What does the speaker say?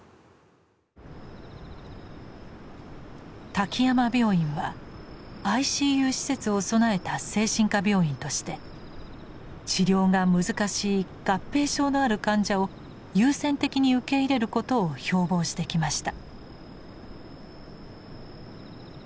滝山病院はＩＣＵ施設を備えた精神科病院として治療が難しい合併症のある患者を優先的に受け入れることを標ぼうしてきました。